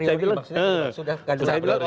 apriori maksudnya sudah gajah